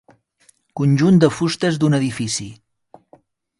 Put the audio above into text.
Conjunt de fustes d'un edifici.